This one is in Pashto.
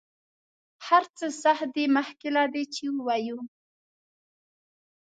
هر څه سخت دي مخکې له دې چې ووایو.